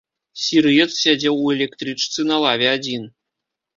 Сірыец сядзеў у электрычцы на лаве адзін.